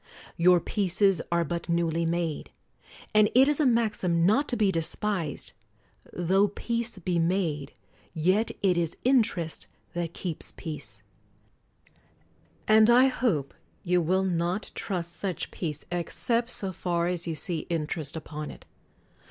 Your peaces are but newly r made. And it is a maxim not to be despised, "Tho peace be made, yet it is interest that keeps peace"; — and I hope you will not trust such peace except so far as you see inter est upon it.